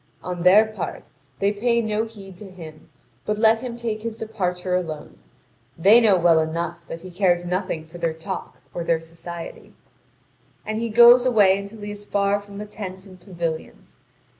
On their part, they pay no heed to him, but let him take his departure alone. They know well enough that he cares nothing for their talk or their society. And he goes away until he is far from the tents and pavilions.